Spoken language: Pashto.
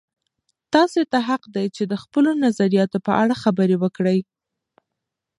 تاسې ته حق دی چې د خپلو نظریاتو په اړه خبرې وکړئ.